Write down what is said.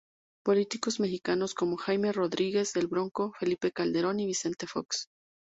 Políticos mexicanos como Jaime Rodríguez "El Bronco", Felipe Calderón y Vicente Fox.